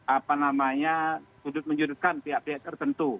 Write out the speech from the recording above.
apa namanya sudut menjudutkan pihak pihak tertentu